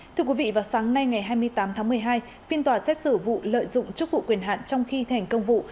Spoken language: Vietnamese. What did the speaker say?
thưa quý vị vào sáng nay ngày hai mươi tám tháng một mươi hai phiên tòa xét xử vụ lợi dụng chức vụ quyền hạn trong khi thành công vụ